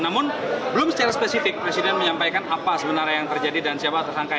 namun belum secara spesifik presiden menyampaikan apa sebenarnya yang terjadi dan siapa tersangkanya